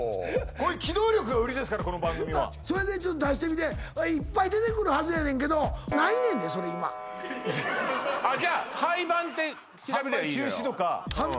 こういう機動力が売りですからこの番組はそれでちょっと出してみていっぱい出てくるはずやねんけどじゃあ廃番って調べりゃいいのよ